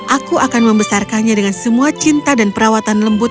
aku akan membesarkannya dengan semua cinta dan perawatan lembut